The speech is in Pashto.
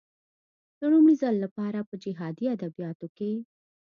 د لومړي ځل لپاره په جهادي ادبياتو کې.